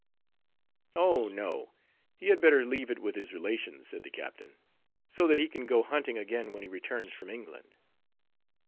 "Oh! no, he had better leave it with his relations," said the captain, "so that he can go hunting again when he returns from England."